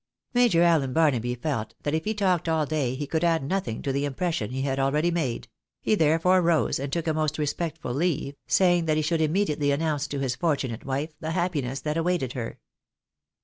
Major Allen Barnaby felt that if he talked all day he could add nothing to the impression he had already made ; he therefore rose, and took a most respectful leave, saying that he should immediately announce to his fortunate wife the happiness that awaited her.